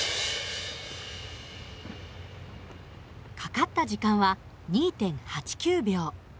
かかった時間は２．８９秒。